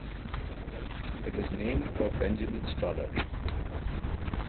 It was named for Benjamin Stoddert.